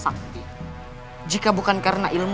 aku akan menang